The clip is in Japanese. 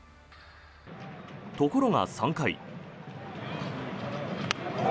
ところが３回。